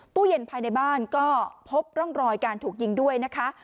ตู้เย็นภายในบ้านก็พบร่องรอยการถูกยิงด้วยนะคะ